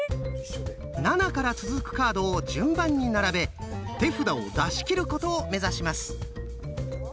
７から続くカードを順番に並べ手札を出し切ることを目指します。